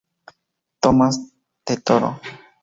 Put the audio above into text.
Tomás de Toro.